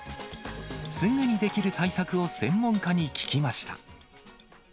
すぐにできる対策を専門家に聞きました。